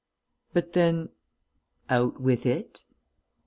_ "But then ...?" "Out with it!"